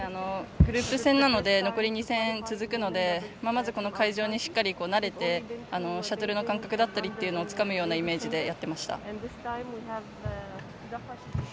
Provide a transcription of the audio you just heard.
グループ戦なので残り２戦、続くのでまず、この会場にしっかり慣れてシャトルの感覚だったりをつかむようなイメージでやっていました。